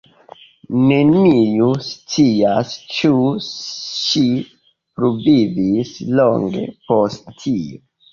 Neniu scias ĉu ŝi pluvivis longe post tio.